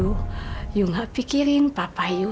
hai serba salah